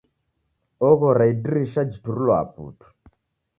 Oghora idirisha jiturulwaa putu!